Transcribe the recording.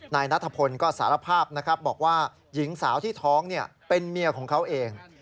นายนัทพลก็สารภาพนะครับบอกว่าหญิงสาวที่ท้องเป็นเมียของเขาเอง